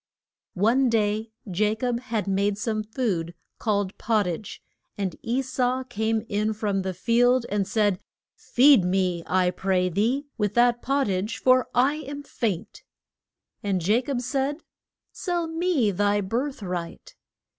One day Ja cob had made some food called pot tage, and E sau came in from the field and said, Feed me, I pray thee, with that pot tage, for I am faint. And Ja cob said, Sell me thy birth right.